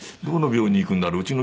どこの病院に行くんだろう。